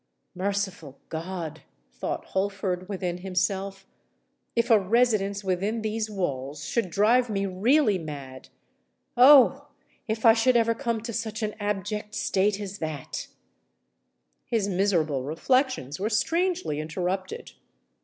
"Merciful God!" thought Holford, within himself; "if a residence within these walls should drive me really mad! Oh! if I should ever come to such an abject state as that!" His miserable reflections were strangely interrupted.